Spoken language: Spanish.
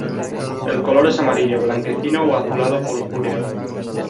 El color es amarillo, blanquecino o azulado-purpúreo.